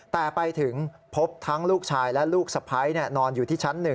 แต่ไปถึงพบทั้งลูกชายและลูกสะพ้ายนอนอยู่ที่ชั้น๑